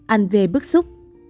anh v bức xúc